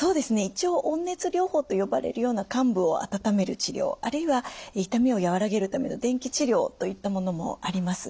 一応温熱療法と呼ばれるような患部を温める治療あるいは痛みを和らげるための電気治療といったものもあります。